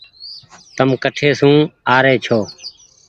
تم ڪٺي سون آ ري ڇو۔